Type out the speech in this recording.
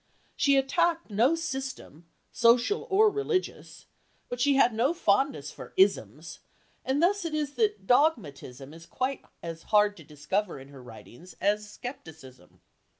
She attacked no system, social or religious; but she had no fondness for "isms," and thus it is that dogmatism is quite as hard to discover in her writings as scepticism.